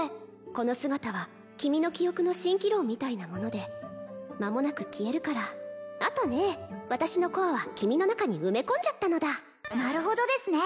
この姿は君の記憶の蜃気楼みたいなものでまもなく消えるからあとね私のコアは君の中に埋め込んじゃったのだなるほどですね